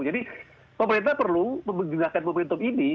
jadi pemerintah perlu menggunakan momentum ini